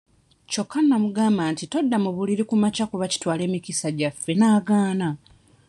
Kyokka namugamba nti todda mu buliri ku makya kuba kitwala emikisa gyaffe n'agaana.